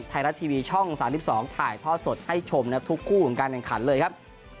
ไทยรัฐทีวีช่อง๓๒ถ่ายทอดสดให้ชมทุกคู่ของการแข่งขันเลยครับ